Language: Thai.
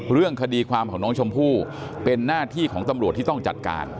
เรื่องคดีความของน้องชมพู่เป็นหน้าที่ของตำรวจที่ต้องจัดการ